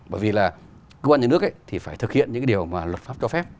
bởi vì là cơ quan nhà nước thì phải thực hiện những cái điều mà luật pháp cho phép